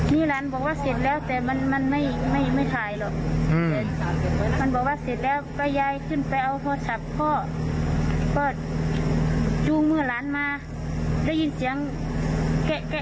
นี่หลานบอกว่าเสร็จแล้วแต่มันไม่ถ่ายหรอก